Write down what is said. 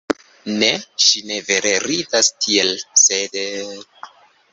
Ne, ŝi ne vere ridas tiel, sed...